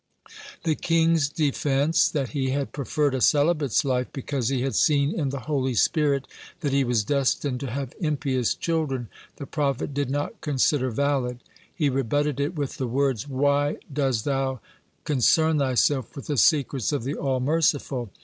The king's defense, that he had preferred a celibate's life because he had seen in the holy spirit that he was destined to have impious children, the prophet did not consider valid. He rebutted it with the words: "Why does thou concern thyself with the secrets of the All Merciful?